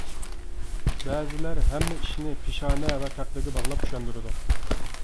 بەزىلەر ھەممە ئىشنى پېشانە ۋە تەقدىرگە باغلاپ چۈشەندۈرىدۇ.